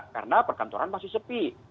karena perkantoran masih sepi